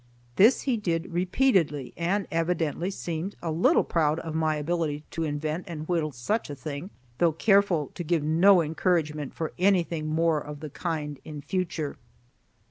This he did repeatedly, and evidently seemed a little proud of my ability to invent and whittle such a thing, though careful to give no encouragement for anything more of the kind in future.